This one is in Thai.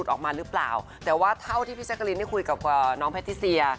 ออกมาหรือเปล่าแต่ว่าเท่าที่พี่แจ๊กรีนได้คุยกับน้องแพทิเซีย